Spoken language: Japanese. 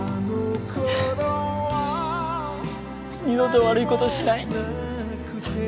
二度と悪いことしない。